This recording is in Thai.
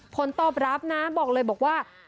ผลตอบรับนะบอกเลยบอกว่า